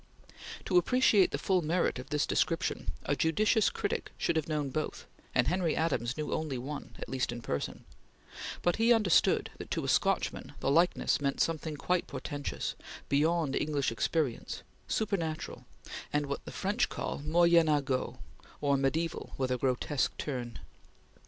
To appreciate the full merit of this description, a judicious critic should have known both, and Henry Adams knew only one at least in person but he understood that to a Scotchman the likeness meant something quite portentous, beyond English experience, supernatural, and what the French call moyenageux, or mediaeval with a grotesque turn.